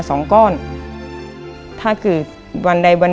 มันต้องการแล้วก็หายให้มัน